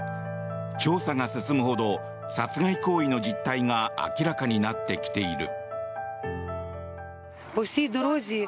調査が進むほど殺害行為の実態が明らかになってきている。